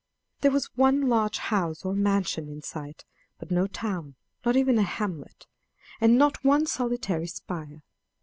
There was one large house or mansion in sight, but no town, nor even a hamlet, and not one solitary spire.